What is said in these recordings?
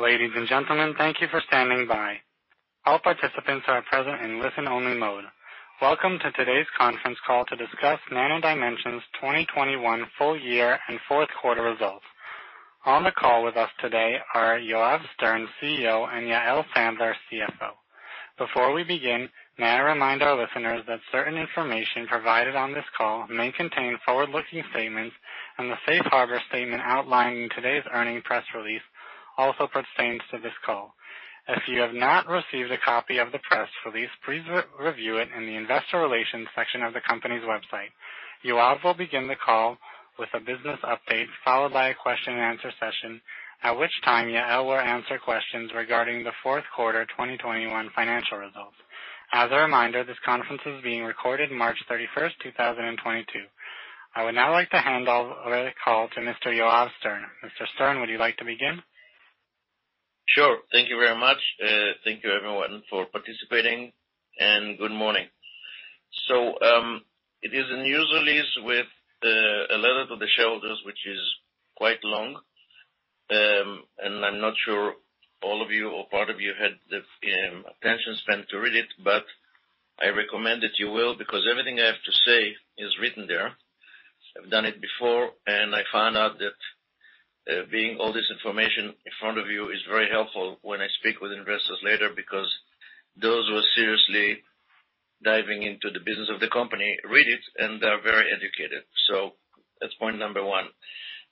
Ladies and gentlemen, thank you for standing by. All participants are present in listen-only mode. Welcome to today's conference call to discuss Nano Dimension's 2021 Full Year and Fourth Quarter Results. On the call with us today are Yoav Stern, CEO, and Yael Sandler, CFO. Before we begin, may I remind our listeners that certain information provided on this call may contain forward-looking statements and the safe harbor statement outlined in today's earnings press release also pertains to this call. If you have not received a copy of the press release, please review it in the investor relations section of the company's website. Yoav will begin the call with a business update, followed by a question and answer session, at which time Yael will answer questions regarding the fourth quarter 2021 financial results. As a reminder, this conference is being recorded March 31, 2022. I would now like to hand over the call to Mr. Yoav Stern. Mr. Stern, would you like to begin? Sure. Thank you very much. Thank you everyone for participating, and good morning. It is a news release with a letter to the shareholders, which is quite long. I'm not sure all of you or part of you had the attention span to read it, but I recommend that you will because everything I have to say is written there. I've done it before, and I found out that being all this information in front of you is very helpful when I speak with investors later because those who are seriously diving into the business of the company read it, and they're very educated. That's point number one.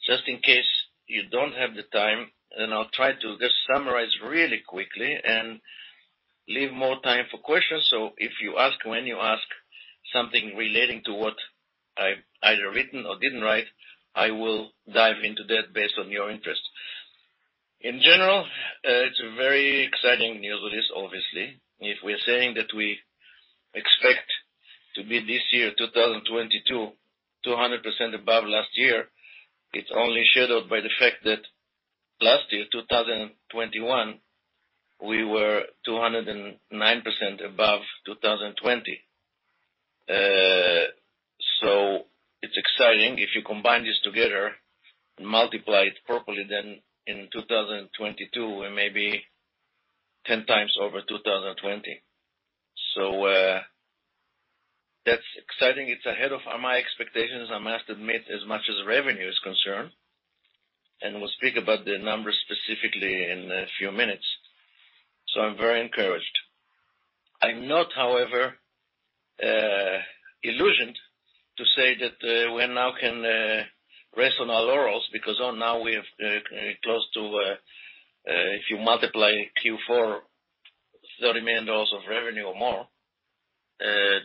Just in case you don't have the time, then I'll try to just summarize really quickly and leave more time for questions. When you ask something relating to what I've either written or didn't write, I will dive into that based on your interest. In general, it's a very exciting news release, obviously. If we're saying that we expect to be this year, 2022, 200% above last year, it's only shadowed by the fact that last year, 2021, we were 209% above 2020. It's exciting. If you combine this together and multiply it properly, then in 2022, we may be 10 times over 2020. That's exciting. It's ahead of my expectations, I must admit, as much as revenue is concerned, and we'll speak about the numbers specifically in a few minutes. I'm very encouraged. I'm not, however, under the illusion to say that we now can rest on our laurels because now we have close to if you multiply Q4, $30 million of revenue or more,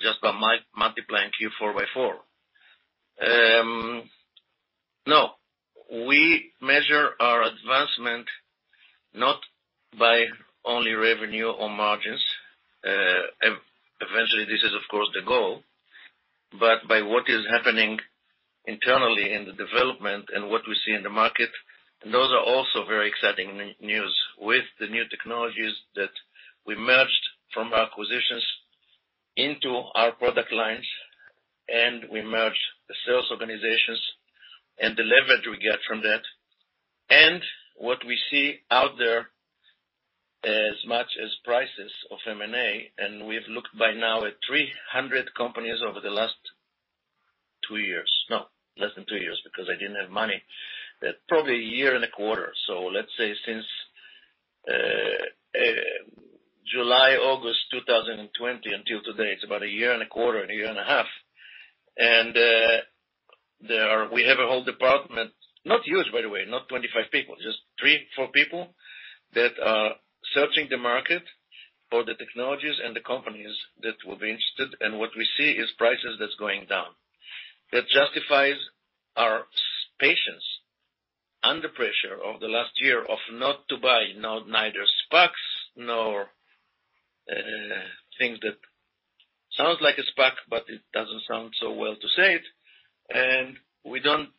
just by multiplying Q4 by four. No. We measure our advancement not by only revenue or margins, eventually, this is of course the goal, but by what is happening internally in the development and what we see in the market. Those are also very exciting news. With the new technologies that we merged from our acquisitions into our product lines, and we merged the sales organizations and the leverage we get from that, and what we see out there as much as prices of M&A. We've looked by now at 300 companies over the last two years. No, less than two years because I didn't have money. Probably a year and a quarter. Let's say since July, August 2020 until today, it's about a year and a quarter, a year and a half. We have a whole department, not huge, by the way, not 25 people, just three, four people that are searching the market for the technologies and the companies that will be interested. What we see is prices that's going down. That justifies our patience under pressure over the last year of not to buy neither SPACs nor things that sounds like a SPAC, but it doesn't sound so well to say it. We didn't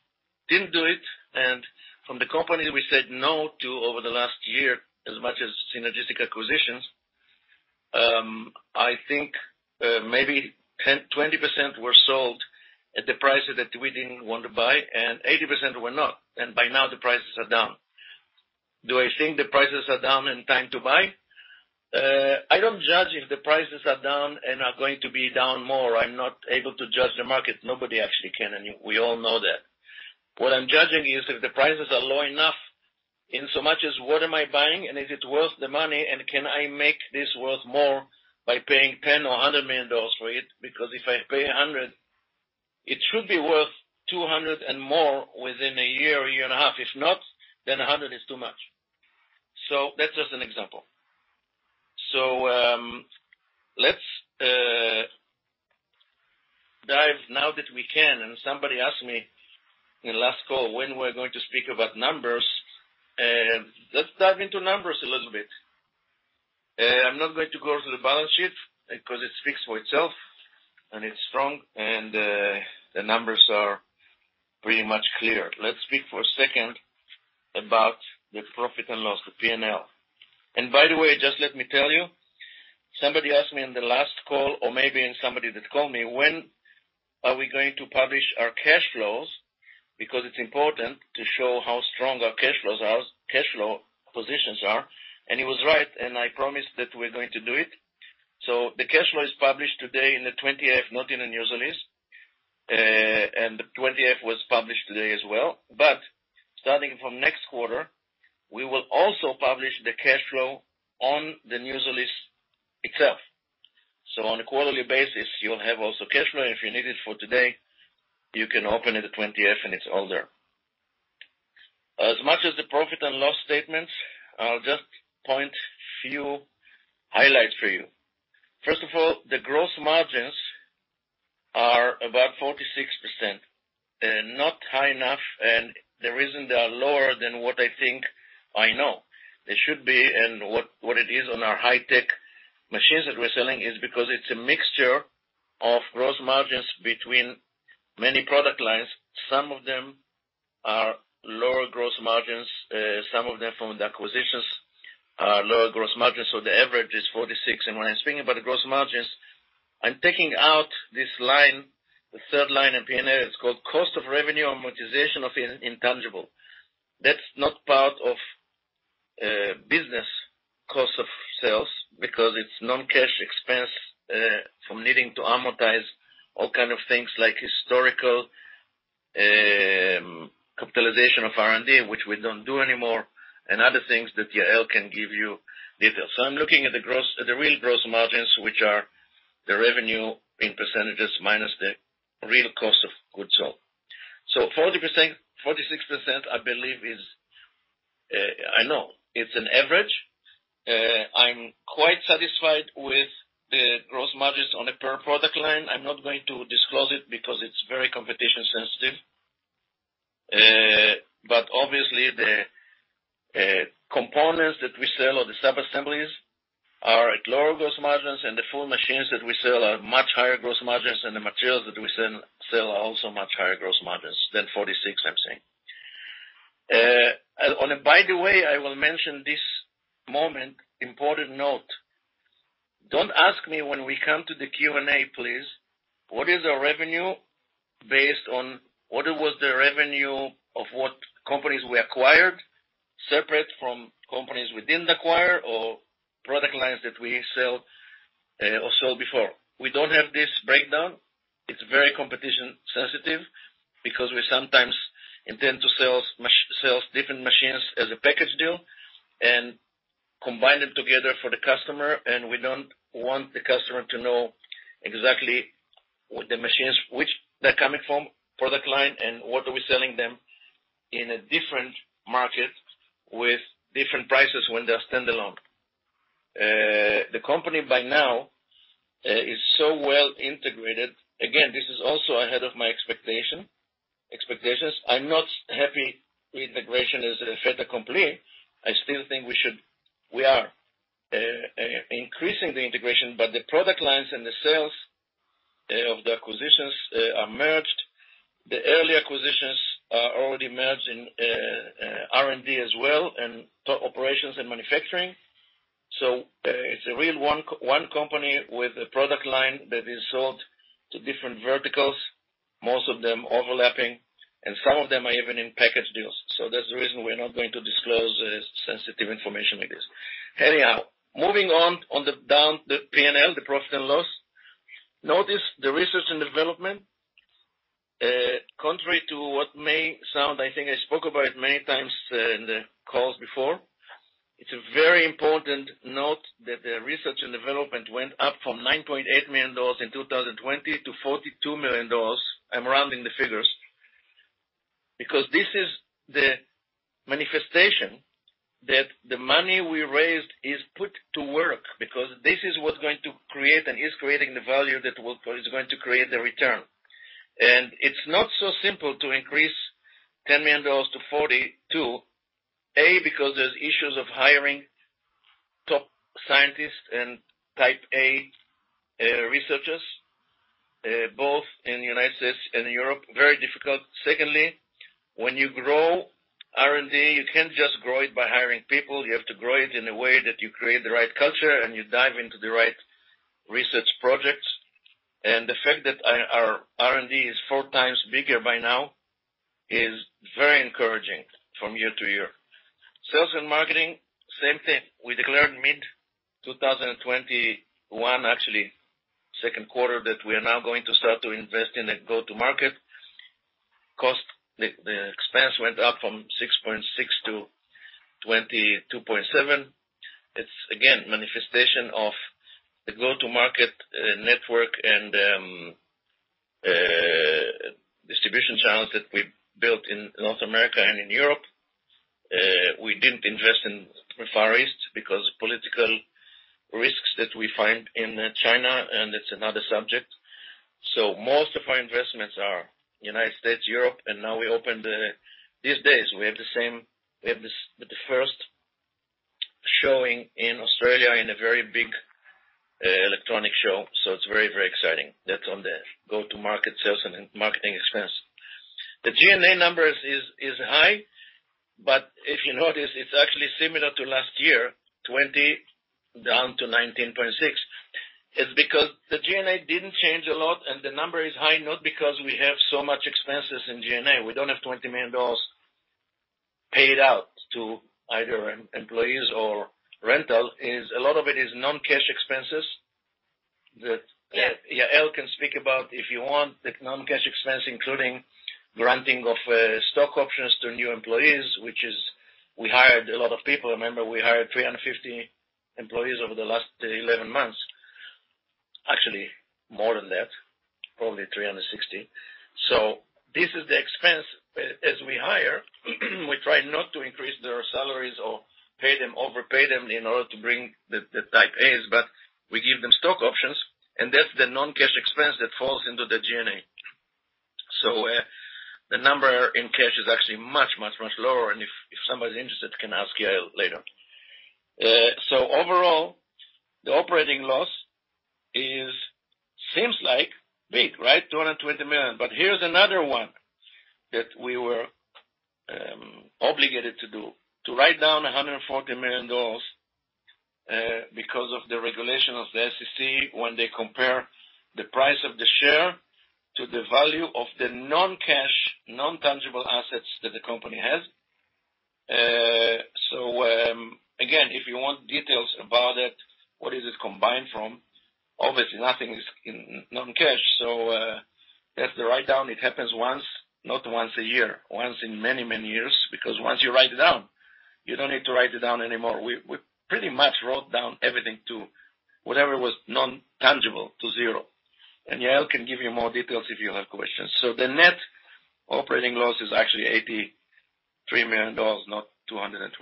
do it. From the company we said no to over the last year, as much as synergistic acquisitions, I think, maybe 10-20% were sold at the prices that we didn't want to buy, and 80% were not. By now, the prices are down. Do I think the prices are down and time to buy? I don't judge if the prices are down and are going to be down more. I'm not able to judge the market. Nobody actually can, and we all know that. What I'm judging is if the prices are low enough in so much as what am I buying and is it worth the money, and can I make this worth more by paying $10 million or $100 million for it? Because if I pay $100, it should be worth $200 and more within a year, a year and a half. If not, then $100 is too much. That's just an example. Let's dive now that we can, and somebody asked me in the last call when we're going to speak about numbers. Let's dive into numbers a little bit. I'm not going to go through the balance sheet because it speaks for itself, and it's strong, and the numbers are pretty much clear. Let's speak for a second about the profit and loss, the P&L. By the way, just let me tell you. Somebody asked me in the last call, or maybe somebody that called me, when are we going to publish our cash flows? Because it's important to show how strong our cash flows are, cash flow positions are. He was right, and I promised that we're going to do it. The cash flow is published today in the 20-F, not in the news release. The 20-F was published today as well. Starting from next quarter, we will also publish the cash flow on the news release itself. On a quarterly basis, you'll have also cash flow. If you need it for today, you can open in the 20-F, and it's all there. As for the profit and loss statement, I'll just point out a few highlights for you. First of all, the gross margins are about 46%. They're not high enough, and the reason they are lower than what I think I know they should be, and what it is on our high-tech machines that we're selling, is because it's a mixture of gross margins between many product lines. Some of them are lower gross margins. Some of them from the acquisitions are lower gross margins, so the average is 46%. When I'm speaking about the gross margins, I'm taking out this line, the third line in P&L. It's called cost of revenue amortization of intangible. That's not part of business cost of sales because it's non-cash expense from needing to amortize all kind of things like historical capitalization of R&D, which we don't do anymore, and other things that Yael can give you details. I'm looking at the real gross margins, which are the revenue in percentages minus the real cost of goods sold. Forty-six percent, I believe, is, I know it's an average. I'm quite satisfied with the gross margins on a per product line. I'm not going to disclose it because it's very competition sensitive. But obviously, the components that we sell or the sub-assemblies are at lower gross margins, and the full machines that we sell are much higher gross margins than the materials that we sell are also much higher gross margins than 46%, I'm saying. By the way, I will mention this moment, important note. Don't ask me when we come to the Q&A, please, what is our revenue based on what was the revenue of what companies we acquired separate from companies we didn't acquire or product lines that we sell or sold before. We don't have this breakdown. It's very competition sensitive because we sometimes intend to sell different machines as a package deal and combine them together for the customer. We don't want the customer to know exactly what the machines, which they're coming from, product line, and what are we selling them in a different market with different prices when they're standalone. The company by now is so well integrated. Again, this is also ahead of my expectations. I'm not happy the integration is a fait accompli. I still think we should. We are increasing the integration, but the product lines and the sales of the acquisitions are merged. The early acquisitions are already merged in R&D as well and to operations and manufacturing. It's a real one company with a product line that is sold to different verticals, most of them overlapping, and some of them are even in package deals. That's the reason we're not going to disclose sensitive information like this. Anyhow, moving on down the P&L, the profit and loss. Notice the research and development. Contrary to what may sound, I think I spoke about it many times in the calls before. It's a very important note that the research and development went up from $9.8 million in 2020 to $42 million. I'm rounding the figures. Because this is the manifestation that the money we raised is put to work, because this is what's going to create and is creating the value that is going to create the return. It's not so simple to increase $10 million to $42 million. A, because there's issues of hiring top scientists and Type A researchers both in the United States and Europe. Very difficult. Secondly, when you grow R&D, you can't just grow it by hiring people. You have to grow it in a way that you create the right culture and you dive into the right research projects. The fact that our R&D is four times bigger by now is very encouraging from year to year. Sales and marketing, same thing. We declared mid-2021, actually second quarter, that we are now going to start to invest in a go-to-market. The expense went up from $6.6 to $22.7. It's again manifestation of the go-to-market network and distribution channels that we built in North America and in Europe. We didn't invest in the Far East because political risks that we find in China, and it's another subject. Most of our investments are United States, Europe, and now we opened these days we have the first showing in Australia in a very big electronic show. It's very, very exciting. That's on the go-to-market sales and marketing expense. The G&A numbers is high. If you notice, it's actually similar to last year, 20 down to 19.6. It's because the G&A didn't change a lot, and the number is high, not because we have so much expenses in G&A. We don't have $20 million paid out to either employees or rental. A lot of it is non-cash expenses that Yael can speak about if you want. The non-cash expense, including granting of stock options to new employees, which is we hired a lot of people. Remember we hired 350 employees over the last 11 months. Actually, more than that, probably 360. This is the expense. As we hire, we try not to increase their salaries or pay them overpay them in order to bring the Type As, but we give them stock options, and that's the non-cash expense that falls into the G&A. The number in cash is actually much lower, and if somebody's interested, can ask Yael later. Overall, the operating loss it seems like big, right? $220 million. Here's another one that we were obligated to do, to write down $140 million, because of the regulation of the SEC when they compare the price of the share to the value of the non-cash, non-tangible assets that the company has. Again, if you want details about it, what is it combined from? Obviously, nothing is non-cash, so that's the write down. It happens once, not once a year, once in many years, because once you write it down, you don't need to write it down anymore. We pretty much wrote down everything to whatever was non-tangible to zero. Yael can give you more details if you have questions. The net operating loss is actually $83 million, not $220.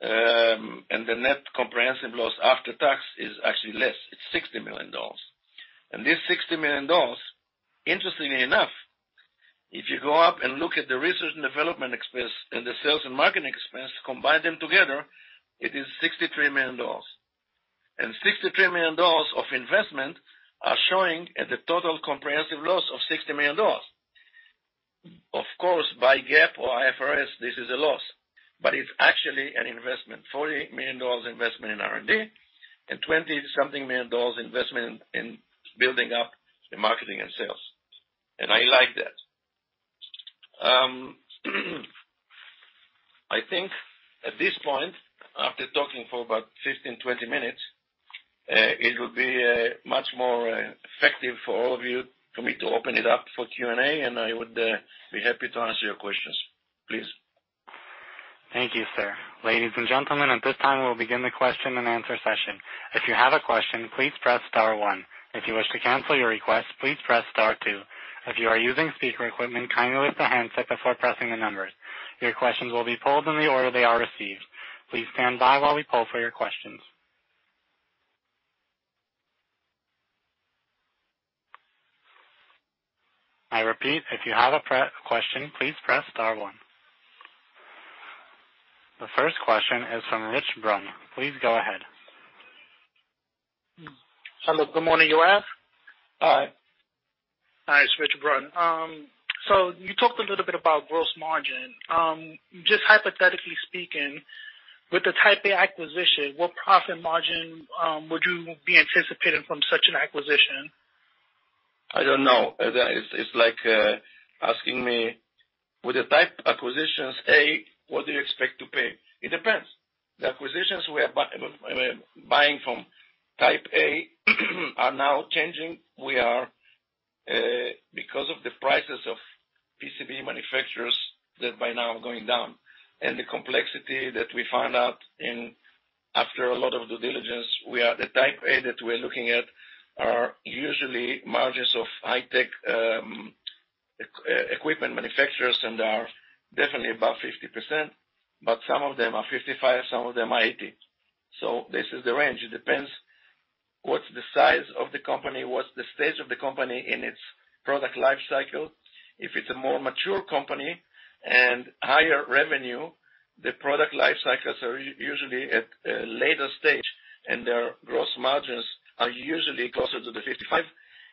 The net comprehensive loss after tax is actually less. It's $60 million. This $60 million, interestingly enough, if you go up and look at the research and development expense and the sales and marketing expense, combine them together, it is $63 million. $63 million of investment are showing at the total comprehensive loss of $60 million. Of course, by GAAP or IFRS, this is a loss, but it's actually an investment. $40 million investment in R&D and 20 to something million dollars investment in building up the marketing and sales. I like that. I think at this point, after talking for about 15, 20 minutes, it would be much more effective for all of you for me to open it up for Q&A, and I would be happy to answer your questions. Please. Thank you, sir. Ladies and gentlemen, at this time, we'll begin the question and answer session. If you have a question, please press star one. If you wish to cancel your request, please press star two. If you are using speaker equipment, kindly lift the handset before pressing the numbers. Your questions will be pulled in the order they are received. Please stand by while we pull for your questions. I repeat, if you have a question, please press star one. The first question is from Rich Brun. Please go ahead. Hello. Good morning. Yoav? Hi. Hi, it's Rich Brun. You talked a little bit about gross margin. Just hypothetically speaking, with the Type A acquisition, what profit margin would you be anticipating from such an acquisition? I don't know. It's like asking me with the Type A acquisitions, what do you expect to pay? It depends. The acquisitions we are buying from Type A are now changing. We are, because of the prices of PCB manufacturers that by now are going down and the complexity that we found out after a lot of due diligence, the Type A that we're looking at are usually margins of high-tech equipment manufacturers and are definitely above 50%, but some of them are 55%, some of them are 80%. So this is the range. It depends what's the size of the company, what's the stage of the company in its product life cycle. If it's a more mature company and higher revenue, the product life cycles are usually at a later stage, and their gross margins are usually closer to the 55%.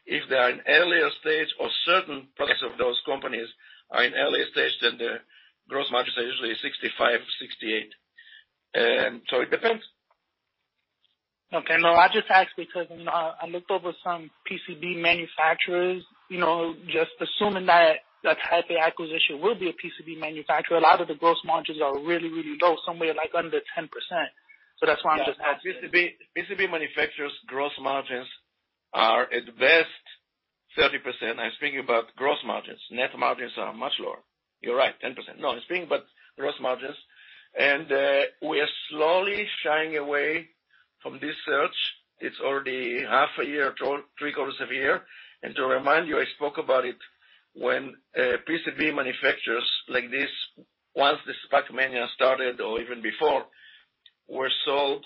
If they are an earlier stage or certain products of those companies are in earlier stage, then the gross margins are usually 65%, 68%. It depends. Okay. No, I just asked because I looked over some PCB manufacturers, you know, just assuming that the Type A acquisition will be a PCB manufacturer. A lot of the gross margins are really, really low, somewhere like under 10%. That's why I'm just asking. PCB manufacturers' gross margins are at best 30%. I'm speaking about gross margins. Net margins are much lower. You're right, 10%. No, I'm speaking about gross margins. We are slowly shying away from this search. It's already half a year, three-quarters of a year. To remind you, I spoke about it when PCB manufacturers like this, once the SPAC mania started or even before, were sold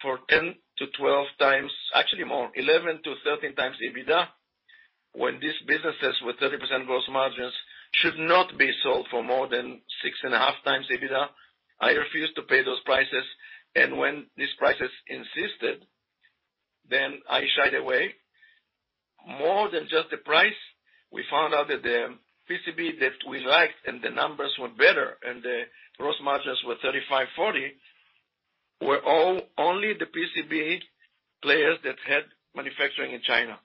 for 10-12 times, actually more, 11-13 times EBITDA. When these businesses with 30% gross margins should not be sold for more than 6.5 times EBITDA, I refuse to pay those prices. When these prices persisted, I shied away. More than just the price, we found out that the PCB that we liked and the numbers were better and the gross margins were 35%-40%, were all only the PCB players that had manufacturing in China.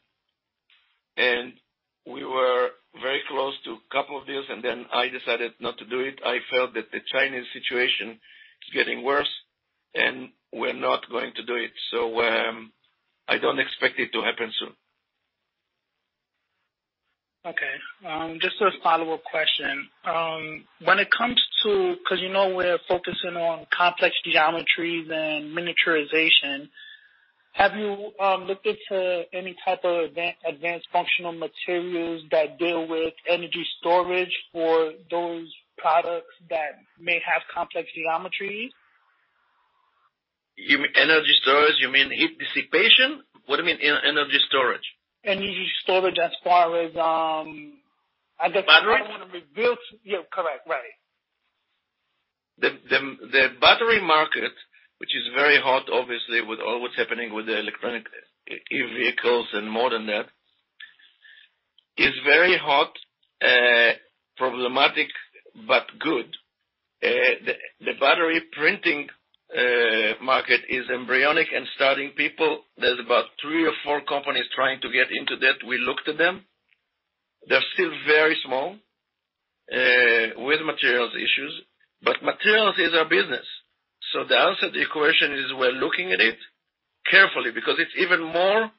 We were very close to a couple of deals, and then I decided not to do it. I felt that the Chinese situation is getting worse, and we're not going to do it. I don't expect it to happen soon. Okay. Just a follow-up question. When it comes to, 'cause you know, we're focusing on complex geometries and miniaturization, have you looked into any type of advanced functional materials that deal with energy storage for those products that may have complex geometries? You mean energy storage? You mean heat dissipation? What do you mean energy storage? Energy storage as far as, I guess. Battery? Yeah. Correct. Right. The battery market, which is very hot, obviously, with all that's happening with the electric vehicles and more than that, is very hot, problematic, but good. The battery printing market is embryonic and starting up. There's about three or four companies trying to get into that. We looked at them. They're still very small, with materials issues, but materials is our business. The answer to your question is we're looking at it carefully because it's even more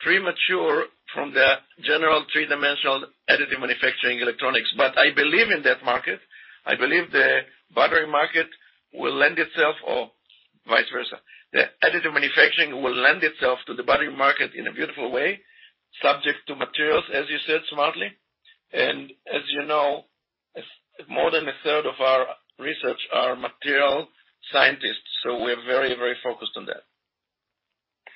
premature than the general three-dimensional additive manufacturing electronics. I believe in that market, I believe the battery market will lend itself or vice versa. The additive manufacturing will lend itself to the battery market in a beautiful way, subject to materials, as you said smartly. As you know, more than a third of our research are material scientists, so we're very, very focused on that.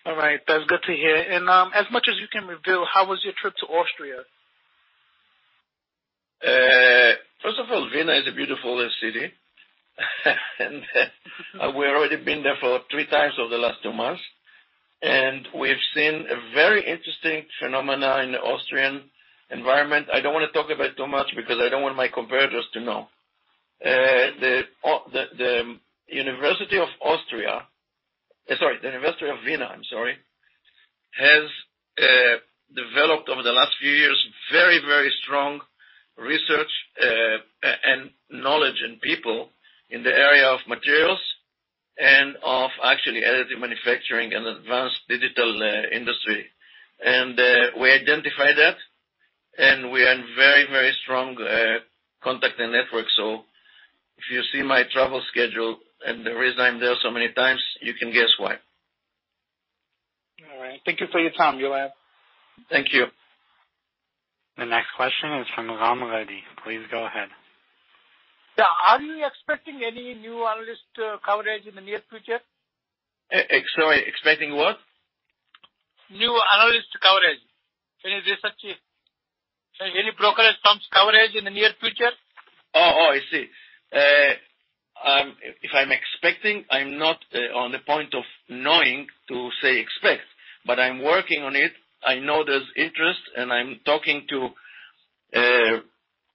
All right. That's good to hear. As much as you can reveal, how was your trip to Austria? First of all, Vienna is a beautiful city. We've already been there three times over the last two months, and we've seen a very interesting phenomenon in the Austrian environment. I don't wanna talk about it too much because I don't want my competitors to know. The University of Vienna has developed over the last few years very, very strong research and knowledge in people in the area of materials and of actually additive manufacturing and advanced digital industry. We identify that, and we are in very, very strong contact and network. If you see my travel schedule and the reason I'm there so many times, you can guess why. All right. Thank you for your time, Yoav. Thank you. The next question is from Ram Reddy. Please go ahead. Yeah. Are you expecting any new analyst coverage in the near future? Sorry, expecting what? New analyst coverage. Any research, if any broker firms coverage in the near future? Oh, I see. If I'm expecting, I'm not on the point of knowing to say expect, but I'm working on it. I know there's interest, and I'm talking to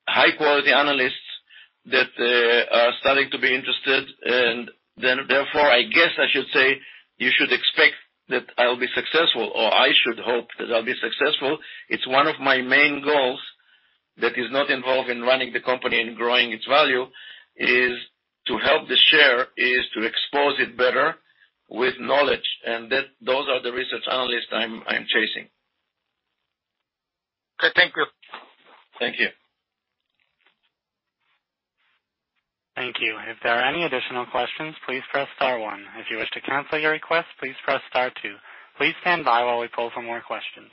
high-quality analysts that are starting to be interested. Then therefore, I guess I should say you should expect that I'll be successful or I should hope that I'll be successful. It's one of my main goals that is not involved in running the company and growing its value, is to help the share, is to expose it better with knowledge, and that those are the research analysts I'm chasing. Okay. Thank you. Thank you. Thank you. If there are any additional questions, please press star one. If you wish to cancel your request, please press star two. Please stand by while we pull for more questions.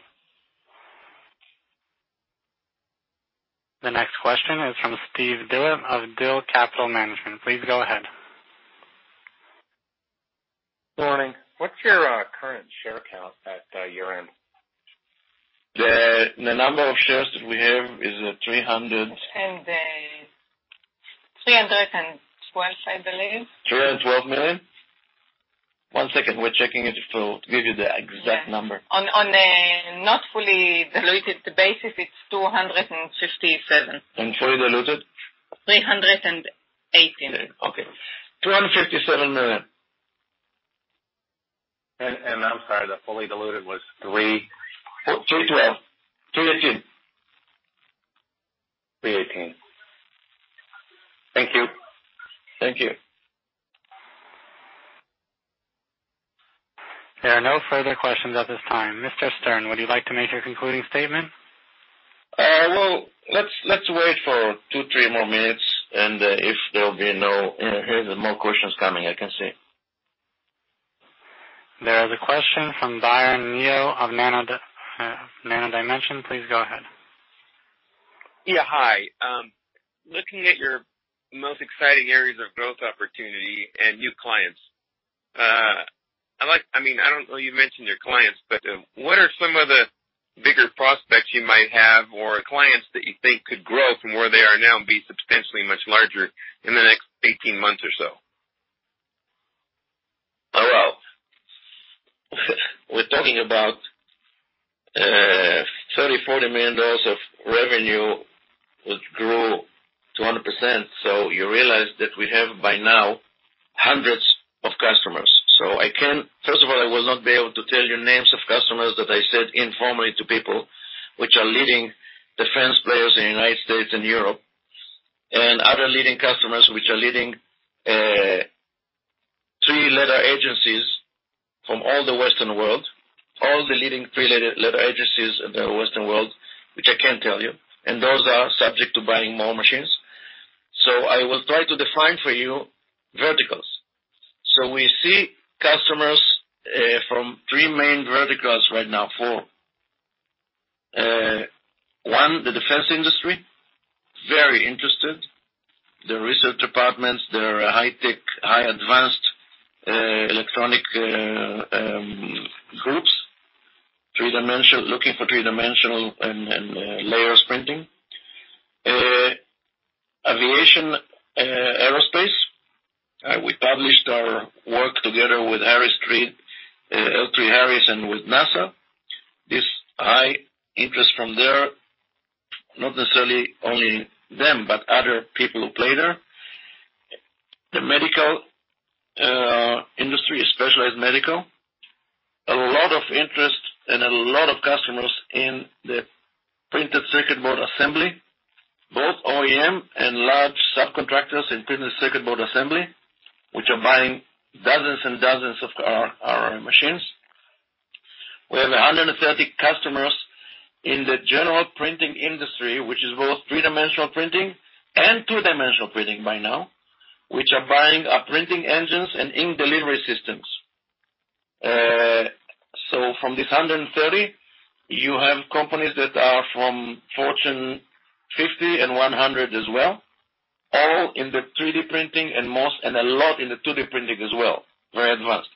The next question is from Steve Dill of Dill Capital Management. Please go ahead. Morning. What's your current share count at year-end? The number of shares that we have is 300. 312, I believe. $312 million. One second. We're checking it to give you the exact number. On a not fully diluted basis, it's 257. Fully diluted? 318. Okay. $257 million. I'm sorry, the fully diluted was three- 2:12. 2:15. 3:18. Thank you. Thank you. There are no further questions at this time. Mr. Stern, would you like to make your concluding statement? Well, let's wait for two to three more minutes. Here's more questions coming, I can see. There is a question from Byron Neo of Nano Dimension. Please go ahead. Yeah. Hi. Looking at your most exciting areas of growth opportunity and new clients, I mean, I don't know you mentioned your clients, but, what are some of the? Bigger prospects you might have or clients that you think could grow from where they are now and be substantially much larger in the next 18 months or so? We're talking about $30-$40 million of revenue, which grew 200%. You realize that we have, by now, hundreds of customers. First of all, I will not be able to tell you names of customers that I said informally to people, which are leading defense players in the United States and Europe, and other leading customers which are leading three-letter agencies from all the Western World, all the leading three-letter agencies in the Western World, which I can't tell you, and those are subject to buying more machines. I will try to define for you verticals. We see customers from three main verticals right now. Four. One, the defense industry, very interested. Their research departments, their high-tech, high-advanced electronic groups. Looking for three-dimensional and layer printing. Aviation, aerospace. We published our work together with L3Harris Technologies, L3Harris, and with NASA. This high interest from there, not necessarily only them, but other people who play there. The medical industry, specialized medical. A lot of interest and a lot of customers in the printed circuit board assembly, both OEM and large subcontractors in printed circuit board assembly, which are buying dozens and dozens of our machines. We have 130 customers in the general printing industry, which is both three-dimensional printing and two-dimensional printing by now, which are buying our printing engines and ink delivery systems. From these 130, you have companies that are from Fortune 50 and 100 as well, all in the 3D printing and most, and a lot in the 2D printing as well. Very advanced.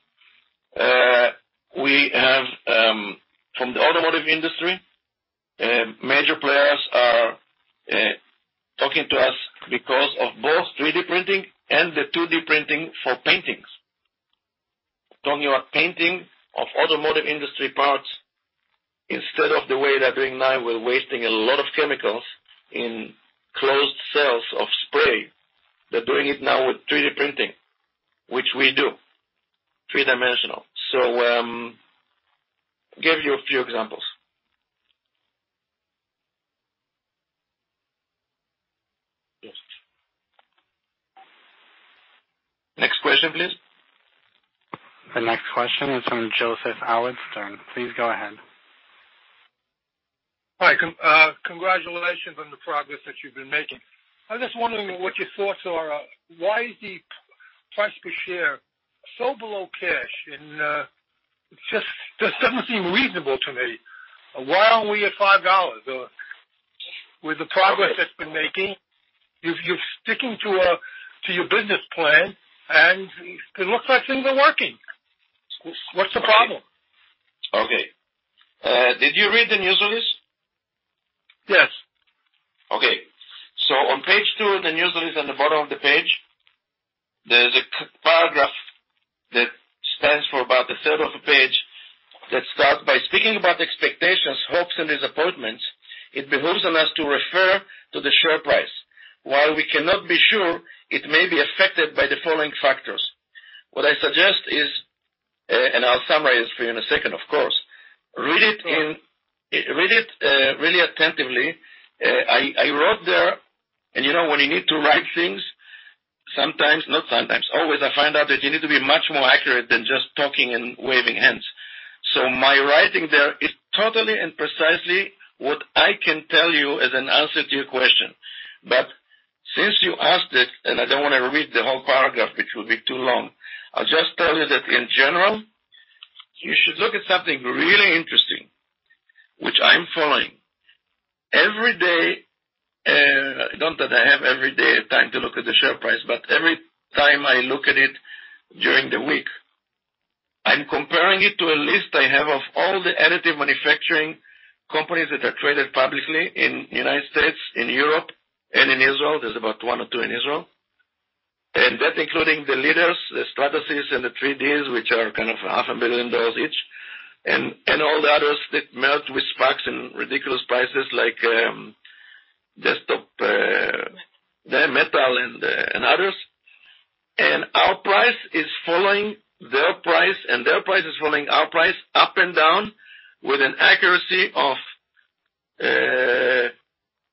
We have from the automotive industry, major players are talking to us because of both 3D printing and the 2D printing for paintings. Talking about painting of automotive industry parts instead of the way they're doing now. We're wasting a lot of chemicals in closed cells of spray. They're doing it now with 3D printing, which we do, three-dimensional. Give you a few examples. Yes. Next question, please. The next question is from Joseph Alexander. Please go ahead. Hi. Congratulations on the progress that you've been making. I'm just wondering what your thoughts are. Why is the price per share so below cash? Just doesn't seem reasonable to me. Why aren't we at $5 or with the progress that's been made, you're sticking to your business plan, and it looks like things are working. What's the problem? Okay. Did you read the news release? Yes. Okay. On page two of the news release, on the bottom of the page, there's a key paragraph that spans about a third of a page that starts by speaking about expectations, hopes and disappointments. It behooves us to refer to the share price. While we cannot be sure, it may be affected by the following factors. What I suggest is, and I'll summarize for you in a second, of course, read it in. Sure. Read it really attentively. I wrote there, and you know, when you need to write things, sometimes, not sometimes, always, I find out that you need to be much more accurate than just talking and waving hands. My writing there is totally and precisely what I can tell you as an answer to your question. Since you asked it, and I don't wanna read the whole paragraph, which will be too long, I'll just tell you that in general, you should look at something really interesting, which I'm following. Every day, not that I have every day time to look at the share price, but every time I look at it during the week, I'm comparing it to a list I have of all the additive manufacturing companies that are traded publicly in United States, in Europe and in Israel. There's about one or two in Israel. That's including the leaders, the Stratasys and the 3D Systems, which are kind of half a million dollars each. All the others that melt with SPACs and ridiculous prices like Desktop Metal and others. Our price is following their price, and their price is following our price up and down with an accuracy of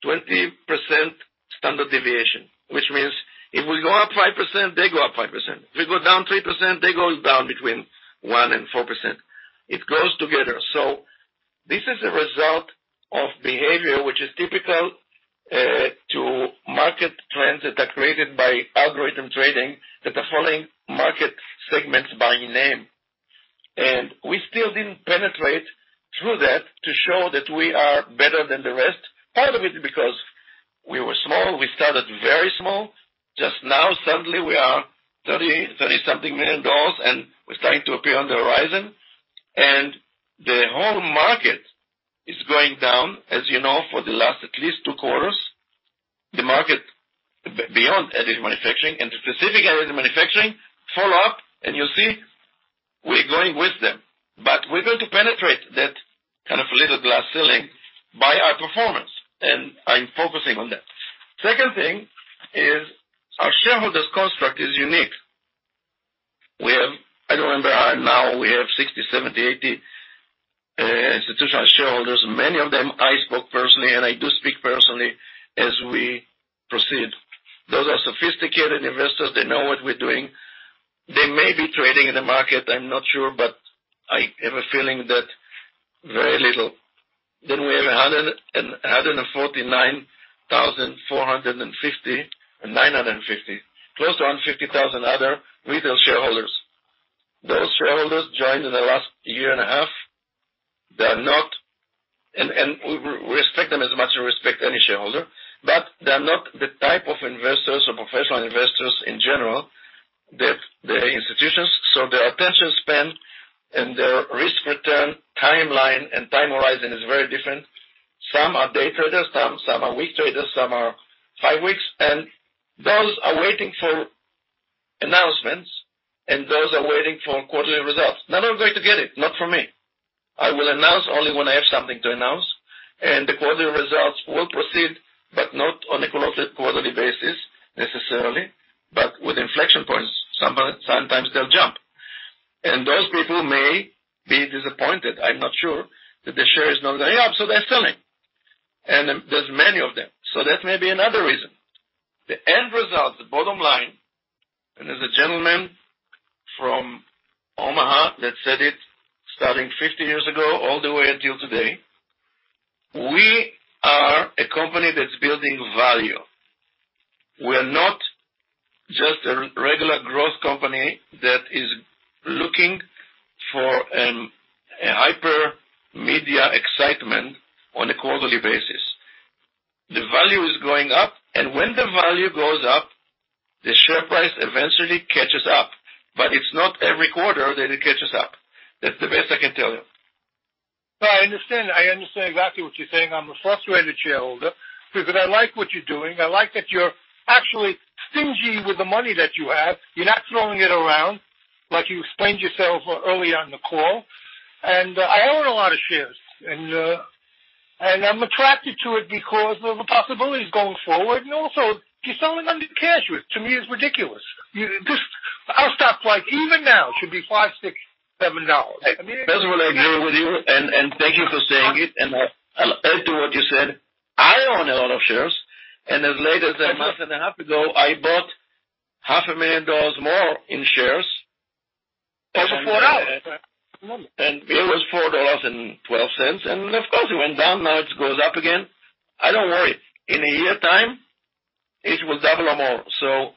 20% standard deviation, which means if we go up 5%, they go up 5%. If we go down 3%, they go down between 1% and 4%. It goes together. This is a result of behavior which is typical to market trends that are created by algorithmic trading that are following market segments by name. We still didn't penetrate through that to show that we are better than the rest. Part of it is because small. We started very small. Just now, suddenly we are $30-something million, and we're starting to appear on the horizon. The whole market is going down, as you know, for the last at least two quarters. The market beyond additive manufacturing and specific additive manufacturing follow up, and you'll see we're going with them. We're going to penetrate that kind of a little glass ceiling by our performance, and I'm focusing on that. Second thing is our shareholders construct is unique. We have. I don't remember, now we have 60, 70, 80 institutional shareholders. Many of them I spoke personally, and I do speak personally as we proceed. Those are sophisticated investors. They know what we're doing. They may be trading in the market, I'm not sure, but I have a feeling that very little. We have 149,450. Close to 150,000 other retail shareholders. Those shareholders joined in the last year and a half. They are not. We respect them as much as we respect any shareholder, but they are not the type of investors or professional investors in general that they're institutions. So their attention span and their risk return timeline and time horizon is very different. Some are day traders, some are week traders, some are five weeks. Those are waiting for announcements, and those are waiting for quarterly results. None are going to get it, not from me. I will announce only when I have something to announce. The quarterly results will proceed, but not on a quarterly basis, necessarily, but with inflection points. Sometime, sometimes they'll jump. Those people may be disappointed, I'm not sure, that the share is not going up, so they're selling. There's many of them. That may be another reason. The end result, the bottom line, and there's a gentleman from Omaha that said it starting 50 years ago all the way until today, we are a company that's building value. We are not just a regular growth company that is looking for a hyper media excitement on a quarterly basis. The value is going up, and when the value goes up, the share price eventually catches up. It's not every quarter that it catches up. That's the best I can tell you. No, I understand. I understand exactly what you're saying. I'm a frustrated shareholder because I like what you're doing. I like that you're actually stingy with the money that you have. You're not throwing it around like you explained yourself early on in the call. I own a lot of shares and I'm attracted to it because of the possibilities going forward. Also you're selling under the cash, which to me is ridiculous. This stock like even now, it should be $5, $6, $7. I mean That's what I agree with you. Thank you for saying it. I'll add to what you said. I own a lot of shares, and as late as a month and a half ago, I bought half a million dollars more in shares. Over $4. It was $4.12. Of course it went down. Now it goes up again. I don't worry. In a year time, it will double or more.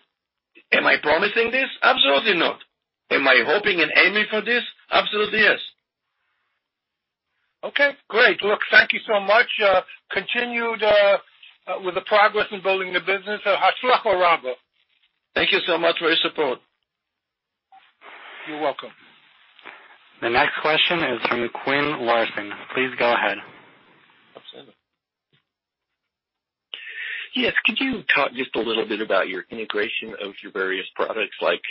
Am I promising this? Absolutely not. Am I hoping and aiming for this? Absolutely, yes. Okay, great. Look, thank you so much. Continue with the progress in building the business. Thank you so much for your support. You're welcome. The next question is from Quinn Larson. Please go ahead. Absolutely. Yes. Could you talk just a little bit about your integration of your various products like,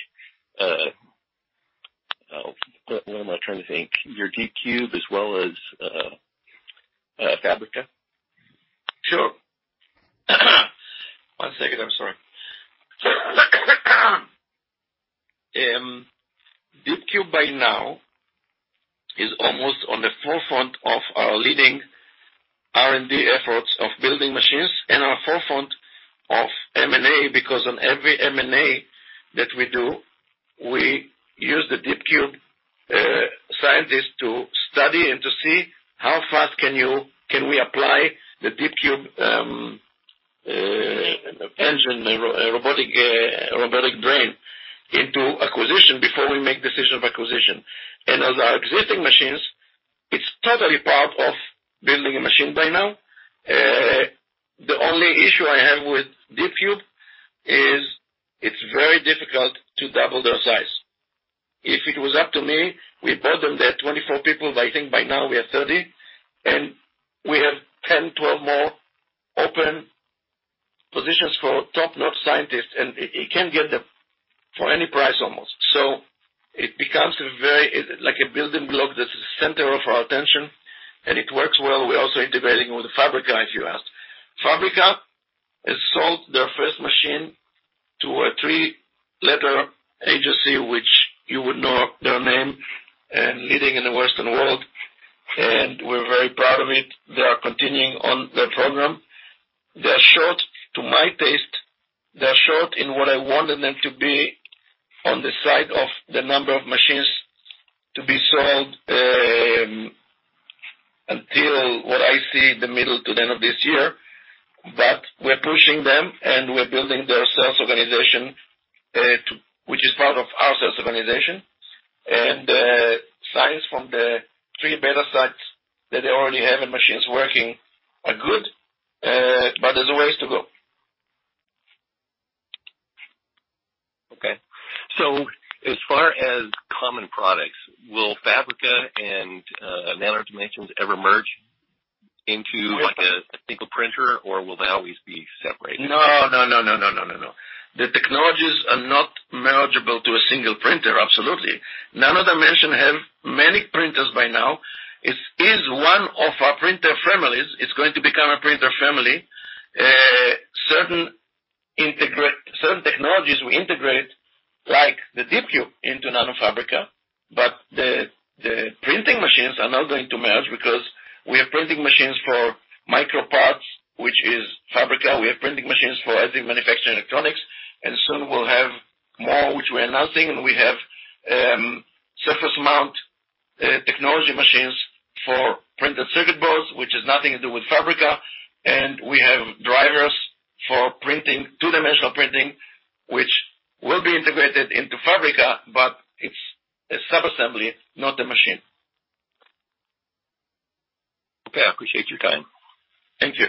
what am I trying to think? Your DeepCube as well as, Fabrica? Sure. One second. I'm sorry. DeepCube by now is almost on the forefront of our leading R&D efforts of building machines and our forefront of M&A, because on every M&A that we do, we use the DeepCube scientists to study and to see how fast can we apply the DeepCube engine, robotic brain into acquisition before we make decision of acquisition. On our existing machines, it's totally part of building a machine by now. The only issue I have with DeepCube is it's very difficult to double their size. If it was up to me, we bought them, they are 24 people, but I think by now we have 30. We have 10, 12 more open positions for top-notch scientists, and you can't get them for any price almost. It becomes a very. It's like a building block that is the center of our attention, and it works well. We're also integrating with the Fabrica, as you asked. Fabrica has sold their first machine to a three-letter agency, which you would know their name, and leading in the Western World, and we're very proud of it. They are continuing on their program. They're short to my taste. They're short in what I wanted them to be on the side of the number of machines to be sold, until what I see the middle to the end of this year. But we're pushing them, and we're building their sales organization. Three beta sites that they already have in machines working are good, but there's a ways to go. As far as common products, will Fabrica and Nano Dimension ever merge into like a single printer, or will they always be separated? No, no, no, no. The technologies are not mergeable to a single printer. Absolutely. Nano Dimension have many printers by now. It is one of our printer families. It's going to become a printer family. Certain technologies we integrate, like the DeepCube into NanoFabrica. The printing machines are not going to merge because we have printing machines for micro parts, which is Fabrica. We have printing machines for additive manufacturing electronics, and soon we'll have more, which we're announcing. We have Surface Mount Technology machines for printed circuit boards, which has nothing to do with Fabrica. We have drivers for printing, two-dimensional printing, which will be integrated into Fabrica, but it's a sub-assembly, not a machine. Okay. I appreciate your time. Thank you.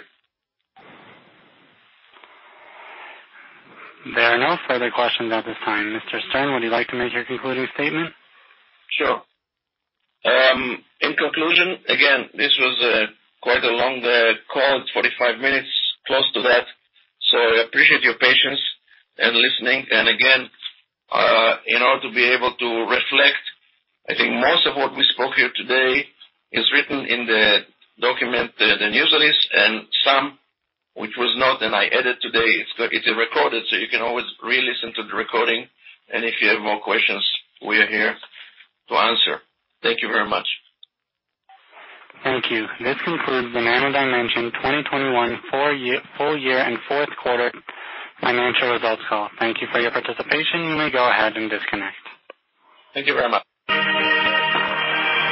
There are no further questions at this time. Mr. Stern, would you like to make your concluding statement? Sure. In conclusion, again, this was quite a long call. It's 45 minutes, close to that. I appreciate your patience and listening. Again, in order to be able to reflect, I think most of what we spoke here today is written in the document, the news release and some which was not, and I added today. It's recorded, so you can always re-listen to the recording. If you have more questions, we are here to answer. Thank you very much. Thank you. This concludes the Nano Dimension 2021 full year and fourth quarter financial results call. Thank you for your participation. You may go ahead and disconnect. Thank you very much.